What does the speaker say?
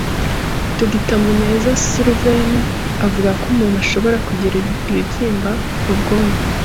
Dr Muneza Severien, avuga ko umuntu ashobora kugira ibibyimba mu bwonko